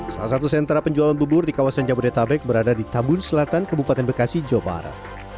salah satu sentra penjualan bubur di kawasan jabodetabek berada di tabun selatan kabupaten bekasi jawa barat